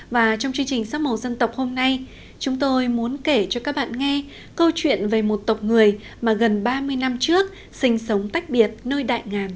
và trong chương trình sắp màu dân tộc hôm nay chúng tôi muốn kể cho các bạn nghe câu chuyện về một tộc người mà gần ba mươi năm trước sinh sống tách biệt nơi đại ngàn